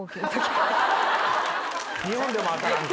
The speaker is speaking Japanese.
２本でも当たらんか。